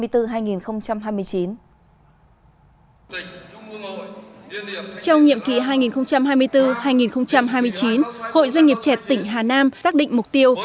trong nhiệm kỳ hai nghìn hai mươi bốn hai nghìn hai mươi chín hội doanh nghiệp trẻ tỉnh hà nam xác định mục tiêu